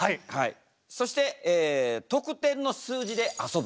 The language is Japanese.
そして得点の数字であそぶ。